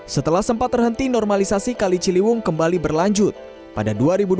setelah sempat terhenti normalisasi kali ciliwung kembali berlanjut pada dua ribu dua puluh